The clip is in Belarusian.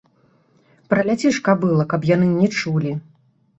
Праляці ж, кабыла, каб яны не чулі!